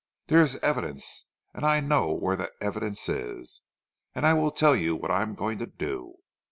There is evidence, and I know where that evidence is, and I will tell you what I am going to do.